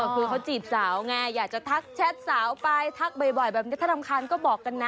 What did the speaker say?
คือเขาจีบสาวไงอยากจะทักแชทสาวไปทักบ่อยแบบนี้ถ้ารำคาญก็บอกกันนะ